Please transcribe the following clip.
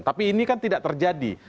tapi ini kan tidak terjadi